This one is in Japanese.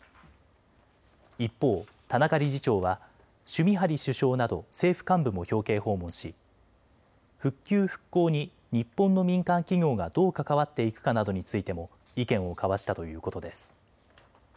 一方、田中理事長はシュミハリ首相など政府幹部も表敬訪問し復旧復興に日本の民間企業がどう関わっていくかなどについても意見を交わしたということです。